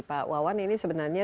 pak wawan ini sebenarnya